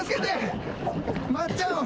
松ちゃんを。